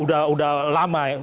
sudah lama ya